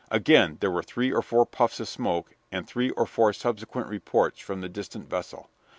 Again there were three or four puffs of smoke and three or four subsequent reports from the distant vessel.